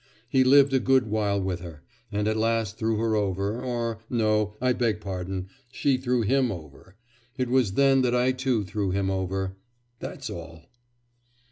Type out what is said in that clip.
He lived a good while with her, and at last threw her over or no, I beg pardon, she threw him over. It was then that I too threw him over. That's all.